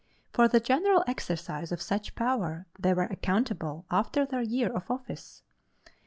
For the general exercise of such power they were accountable after their year of office.